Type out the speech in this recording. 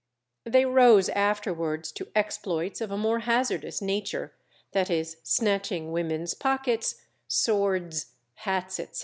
They rose afterwards to exploits of a more hazardous nature, viz., snatching women's pockets, swords, hats, etc.